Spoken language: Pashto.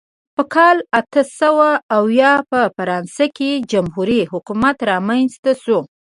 په کال اته سوه اویا په فرانسه کې جمهوري حکومت رامنځته شو.